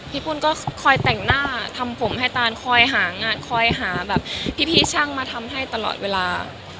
ปุ้นก็คอยแต่งหน้าทำผมให้ตานคอยหางานคอยหาแบบพี่ช่างมาทำให้ตลอดเวลา